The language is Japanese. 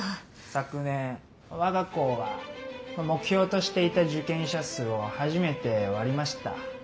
昨年我が校は目標としていた受験者数を初めて割りました。